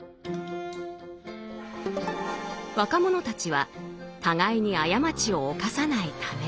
若者たちは互いに過ちを犯さないため。